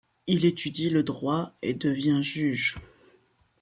Il étudie le droit et devient juge.